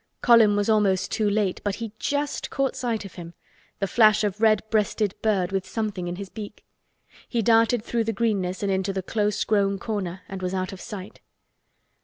Colin was almost too late but he just caught sight of him, the flash of red breasted bird with something in his beak. He darted through the greenness and into the close grown corner and was out of sight.